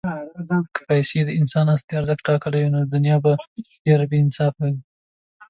که پیسې د انسان اصلي ارزښت ټاکلی، نو دنیا به ډېره بېانصافه وای.